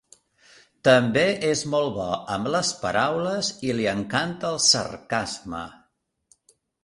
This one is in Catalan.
També és molt bo amb les paraules i li encanta el sarcasme.